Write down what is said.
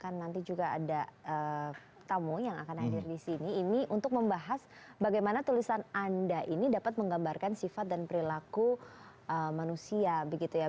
karena nanti juga ada tamu yang akan hadir di sini ini untuk membahas bagaimana tulisan anda ini dapat menggambarkan sifat dan perilaku manusia begitu ya